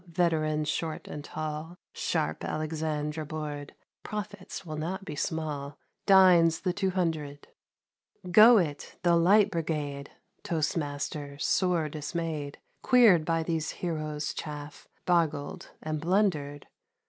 Veterans, short and tall —' Sharp Alexandra Board — (Profits will not be small) — Dines the Two Hundred !" Go it, the Light Brigade !" Toast Master, sore dismayed, Queered by those heroes' chaff. Boggled and blundered.